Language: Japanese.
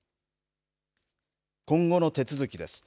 今後の手続きです。